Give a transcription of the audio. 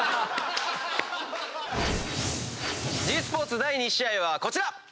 ｇスポーツ第２試合はこちら！